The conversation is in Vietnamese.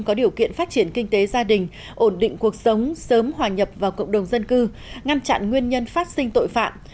có điều kiện phát triển kinh tế gia đình ổn định cuộc sống sớm hòa nhập vào cộng đồng dân cư ngăn chặn nguyên nhân phát sinh tội phạm